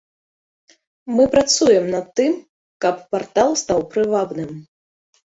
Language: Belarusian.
Мы працуем над тым, каб партал стаў прывабным.